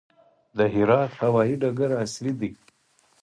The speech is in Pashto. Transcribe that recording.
د هرات هوايي ډګر عصري دی